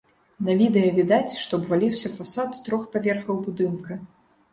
На відэа відаць, што абваліўся фасад трох паверхаў будынка.